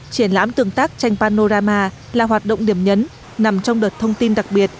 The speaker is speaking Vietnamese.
triển lãm tương tác tranh panorama là hoạt động điểm nhấn nằm trong đợt thông tin đặc biệt